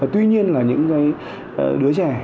tuy nhiên là những cái đứa trẻ